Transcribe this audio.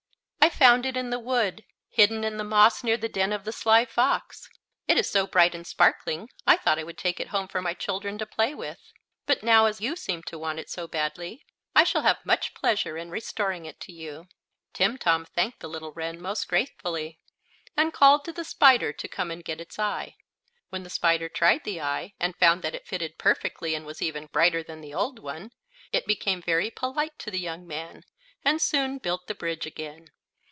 "I found it in the wood, hidden in the moss near the den of the Sly Fox. It is so bright and sparkling I thought I would take it home for my children to play with. But now, as you seem to want it so badly, I shall have much pleasure in restoring it to you." Timtom thanked the little wren most gratefully, and called to the spider to come and get its eye. When the spider tried the eye, and found that it fitted perfectly and was even brighter than the old one, it became very polite to the young man, and soon built the bridge again.